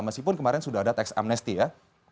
meskipun kemarin sudah ada tax amnesty ya